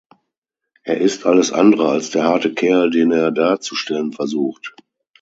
Er ist alles andere als der harte Kerl, den er darzustellen versucht.